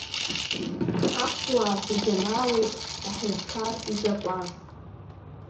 Аԥсуаа зегьы анаалеит аҳәынҭқар изакәан.